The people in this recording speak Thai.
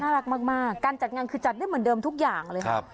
รักมากการจัดงานคือจัดได้เหมือนเดิมทุกอย่างเลยครับ